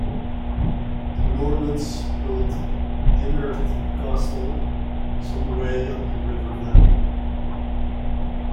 The Normans built Dineirth Castle some way up the river valley.